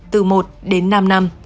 từ một đến năm năm